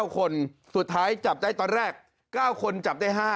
๙คนสุดท้ายจับได้ตอนแรก๙คนจับได้๕